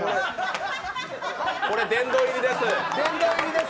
これ殿堂入りです。